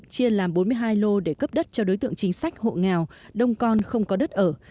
chia làm bốn mươi hai lô để cấp đất cho đối tượng chính sách hộ nghèo đông con không có đất ở